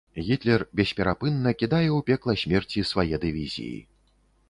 Гітлер бесперапынна кідае ў пекла смерці свае дывізіі.